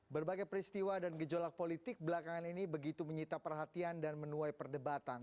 berbagai peristiwa dan gejolak politik belakangan ini begitu menyita perhatian dan menuai perdebatan